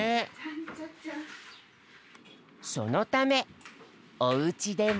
そのためおうちでも。